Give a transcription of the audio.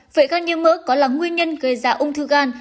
vậy gan nhiễm mỡ có là nguyên nhân gây ra ung thư gan